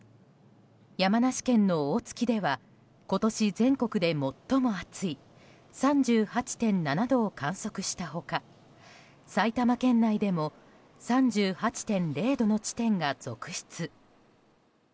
山梨県の大月では今年全国で最も暑い３８．７度を観測した他埼玉県内でも３８．０度の地点が続出。